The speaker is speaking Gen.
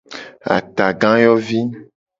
Atagayovi.